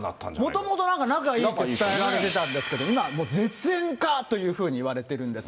もともとなんか仲いいと伝えられてたんですけど、今、もう絶縁かというふうにいわれているんです。